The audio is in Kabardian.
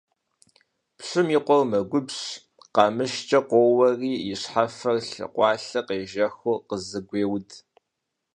Пщым и къуэр мэгубжь, къамышыкӀэ къоуэри и щхьэфэр лъы къуалэр къежэхыу къызыгуеуд.